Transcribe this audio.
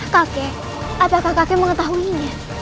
kakek apakah kakek mengetahuinya